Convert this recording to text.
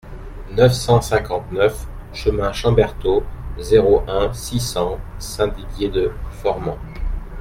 neuf cent cinquante-neuf chemin Chamberthaud, zéro un, six cents, Saint-Didier-de-Formans